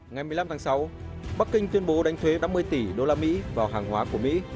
ngày một mươi năm tháng sáu bắc kinh tuyên bố đánh thuế năm mươi tỷ usd vào hàng hóa của mỹ